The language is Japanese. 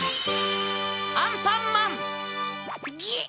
アンパンマン‼ゲッ！